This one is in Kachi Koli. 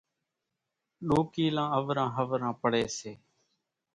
ڏوڪيلان اوران ۿوران پڙي سي،